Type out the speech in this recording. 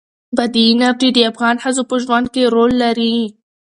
بادي انرژي د افغان ښځو په ژوند کې رول لري.